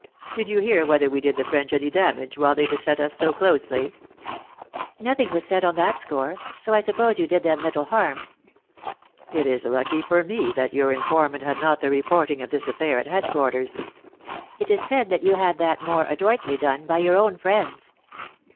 Did you hear whether we did the French any damage, while they beset us so closely ?" 54 THE ACTRESS IN HIGH LIFE. " Nothing was said on that score. So I suppose yon did them little harm." "It is lucky for me that your informant had not the reporting of this affair at headquarters." " It is said that you had that more adroitly done by your own friends."